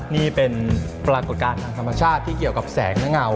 นี่เป็นปรากฏการณ์ทางธรรมชาติที่เกี่ยวกับแสงและเงา